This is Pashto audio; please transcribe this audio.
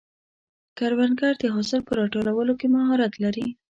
کروندګر د حاصل په راټولولو کې مهارت لري